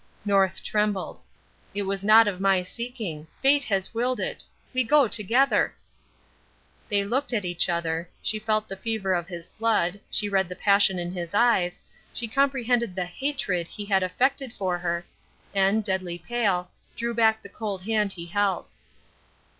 North trembled. "It was not of my seeking. Fate has willed it. We go together!" They looked at each other she felt the fever of his blood, she read his passion in his eyes, she comprehended the "hatred" he had affected for her, and, deadly pale, drew back the cold hand he held.